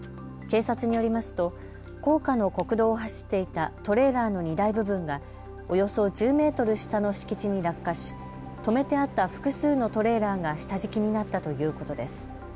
警察によりますと高架の国道を走っていたトレーラーの荷台部分がおよそ１０メートル下の敷地に落下し止めてあった複数のトレーラーが下敷きになったということです。